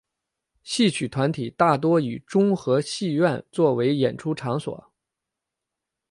戏曲团体大多以中和戏院作为演出场所。